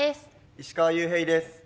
石川裕平です。